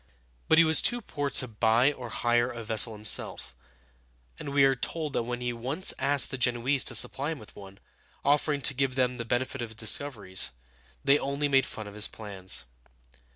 But he was too poor to buy or hire a vessel himself, and we are told that when he once asked the Genoese to supply him with one, offering to give them the benefit of his discoveries, they only made fun of his plans.